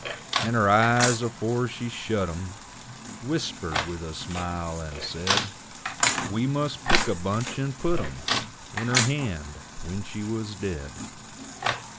And her eyes, afore she shut 'em, Whispered with a smile and said We must pick a bunch and putt 'em In her hand when she wuz dead.